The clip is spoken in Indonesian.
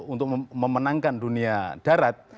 untuk memenangkan dunia darat